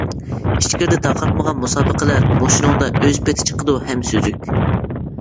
ئىچكىرىدە تارقاتمىغان مۇسابىقىلەر مۇشۇنىڭدا ئۆز پىتى چىقىدۇ ھەم سۈزۈك.